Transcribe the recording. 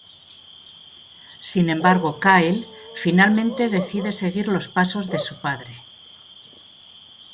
Sin embargo, Kyle hizo finalmente decide seguir los pasos de su padre.